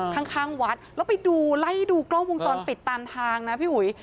ข้างข้างวัดแล้วไปดูไล่ดูกล้องวงจรปิดตามทางนะพี่อุ๋ย